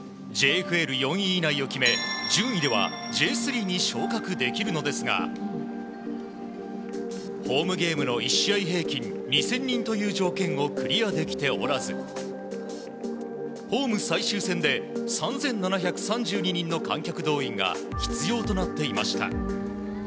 ＪＦＬ４位以内を決め、順位ではＪ３に昇格できるのですがホームゲームの１試合平均２０００人という条件をクリアできておらずホーム最終戦で３７３２人の観客動員が必要となっていました。